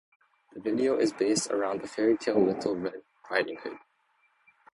The video is based around the fairy-tale Little Red Riding Hood.